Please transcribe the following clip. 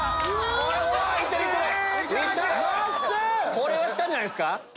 これはきたんじゃないですか？